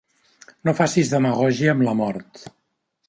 No facis demagògia amb la mort.